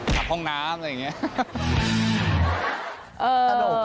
กับห้องน้ำอะไรอย่างนี้